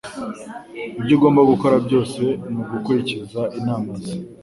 Ibyo ugomba gukora byose ni ugukurikiza inama ze.